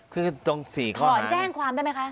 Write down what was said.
คือตรง๔ข้อถอนแจ้งความได้ไหมคะ